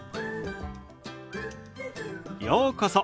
ようこそ。